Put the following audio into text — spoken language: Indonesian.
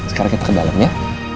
sekarang kita ke dalam ya